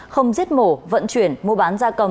không giết mổ vận chuyển mua bán da cầm